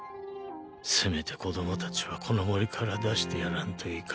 せめて子供たちはこの森から出してやらんといかん。